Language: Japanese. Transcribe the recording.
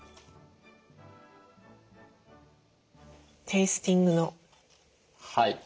テイスティングの。